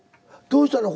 どうしたの？